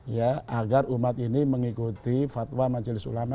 ya agar umat ini mengikuti fatwa majelis ulama